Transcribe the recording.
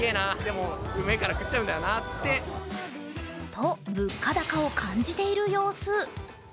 と物価高を感じている様子。